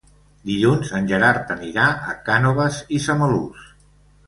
Dilluns en Gerard anirà a Cànoves i Samalús.